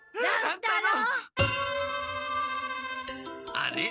あれ？